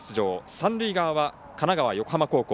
三塁側は神奈川・横浜高校。